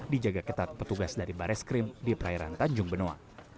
dijaga ketat petugas dari bareskrim di perairan tanjung benoa